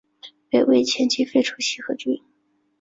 北魏前期废除西河郡。